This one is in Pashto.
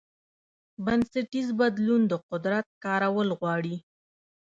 بنسټیز بدلون د قدرت کارول غواړي.